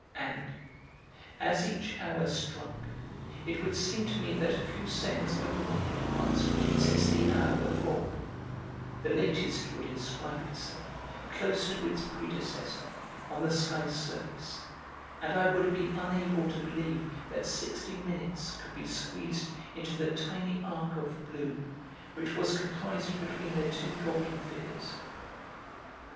And, as each hour struck, it would seem to me that a few seconds only had passed since the hour before; the latest would inscribe itself, close to its predecessor, on the sky's surface, and I would be unable to believe that sixty minutes could be squeezed into the tiny arc of blue which was comprised between their two golden figures.